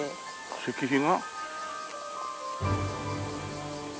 石碑が？